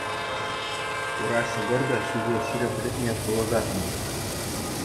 Хура ҫӑкӑр та ҫӳҫе ҫирӗплетме пулӑшать-мӗн.